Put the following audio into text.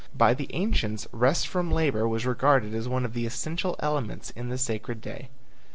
By the ancients rest from labor was regarded as one of the essential elements in the sacred day.